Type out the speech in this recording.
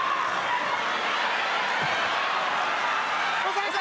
抑えた。